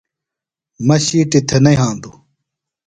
مہ شِیٹیۡ تھےۡ نہ یھاندوۡ۔